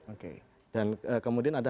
oke dan kemudian ada